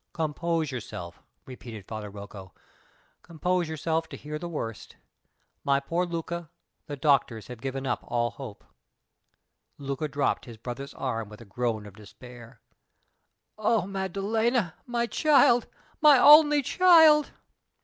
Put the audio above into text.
"Compose yourself," repeated Father Rocco. "Compose yourself to hear the worst. My poor Luca, the doctors have given up all hope." Luca dropped his brother's arm with a groan of despair. "Oh, Maddalena! my child my only child!"